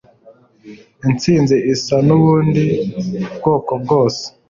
intsinzi isa nubundi bwoko bwose